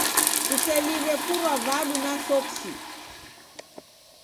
Kuseliw'e kurwa vadu na soksi.